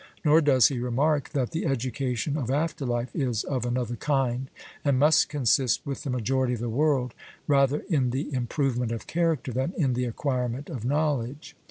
Nor does he remark that the education of after life is of another kind, and must consist with the majority of the world rather in the improvement of character than in the acquirement of knowledge.